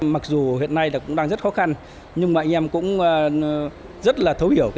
mặc dù hiện nay cũng đang rất khó khăn nhưng mà anh em cũng rất là thấu hiểu